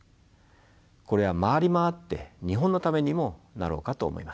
これは回り回って日本のためにもなろうかと思います。